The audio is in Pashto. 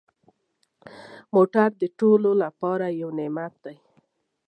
موټر د ټولو لپاره یو نعمت دی.